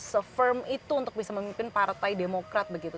mas rizky juga masih belum bisa memimpin partai demokrat begitu